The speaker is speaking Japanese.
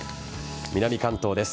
南関東です。